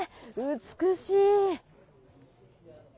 美しい！